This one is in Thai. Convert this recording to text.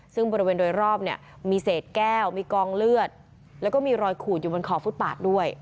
ซึ่งบริเวณโดยรอบเนี่ยมีเศษแก้วมีกองเลือดแล้วก็มีรอยขูดอยู่บนขอบฟุตบาทด้วย